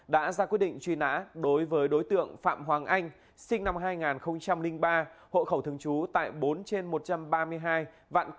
đã ra quyết định truy nã đối với đối tượng phạm hoàng anh sinh năm hai nghìn ba hộ khẩu thường trú tại bốn trên một trăm ba mươi hai vạn c